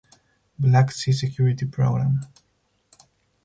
Black Sea Security Program.